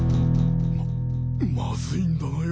ままずいんだなよ。